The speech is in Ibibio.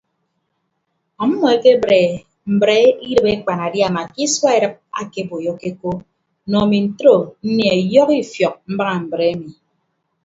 Ọmmọ ekebre mbre idịb akpanadiama ke isua edịp ake boyokeko nọ ami ntodo nnie ọyọhọ ifiọk mbaña mbre emi.